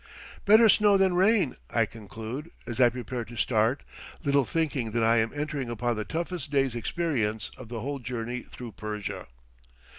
"Better snow than rain," I conclude, as I prepare to start, little thinking that I am entering upon the toughest day's experience of the whole journey through Persia.